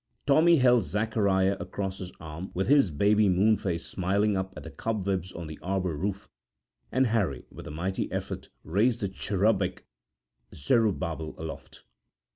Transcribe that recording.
Tommy held Zacariah across his arm with his baby moon face smiling up at the cobwebs on the arbour roof, and Harry, with a mighty effort, raised the cherubic Zerubbabel aloft.